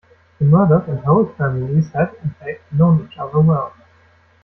The Murdoch and Holt families had, in fact, known each other well.